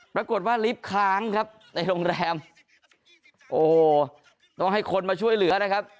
ปรากฏว่าลิฟต์ค้างครับในโรงแรมโอ้โหต้องให้คนมาช่วยเหลือนะครับ